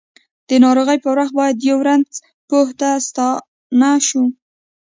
د ناروغۍ پر وخت باید یؤ رنځ پوه ته ستانه شوو!